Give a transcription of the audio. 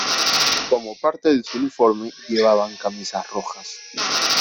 Como parte de su uniforme llevaban camisas rojas.